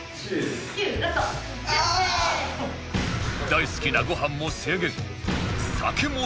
大好きなご飯も制限